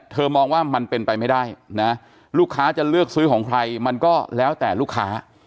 มองว่ามันเป็นไปไม่ได้นะลูกค้าจะเลือกซื้อของใครมันก็แล้วแต่ลูกค้า